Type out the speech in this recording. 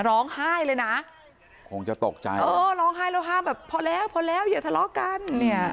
ร้องไห้เลยนะคงจะตกใจพอแล้วอย่าทะเลาะกัน